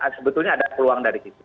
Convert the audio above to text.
sebetulnya ada peluang dari situ